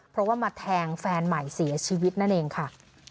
เพราะว่ามาแทงแฟนใหม่เสียชีวิตนั่นเองค่ะ